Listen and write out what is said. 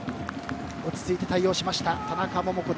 落ち着いて対応した、田中桃子。